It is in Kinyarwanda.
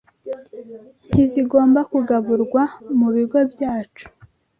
Ntizigomba kugaburwa mu bigo byacu